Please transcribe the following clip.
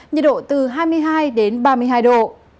nhiệt độ từ hai mươi hai đến ba mươi hai độ